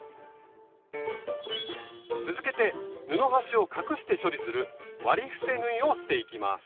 続けて布端を隠して処理する割り伏せ縫いをしていきます。